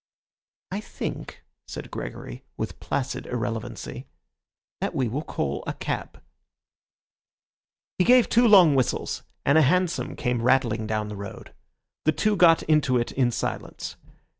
"I think," said Gregory, with placid irrelevancy, "that we will call a cab." He gave two long whistles, and a hansom came rattling down the road. The two got into it in silence.